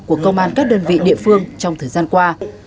của công an các đơn vị địa phương trong thời gian qua